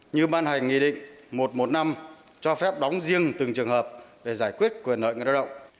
như ban hành nghị định một một năm cho phép đóng riêng từng trường hợp để giải quyết quyền lợi người đạo động